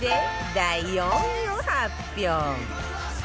第４位を発表